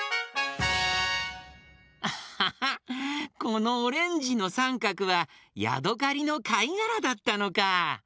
このオレンジのさんかくはヤドカリのかいがらだったのか。